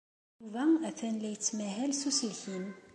Yuba atan la yettmahal s uselkim.